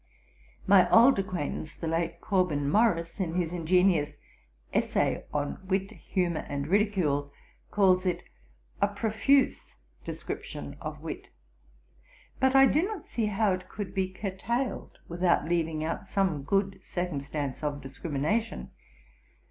'_ My old acquaintance, the late Corbyn Morris, in his ingenious Essay on Wit, Humour, and Ridicule, calls it 'a profuse description of Wit;' but I do not see how it could be curtailed, without leaving out some good circumstance of discrimination.